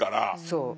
そう。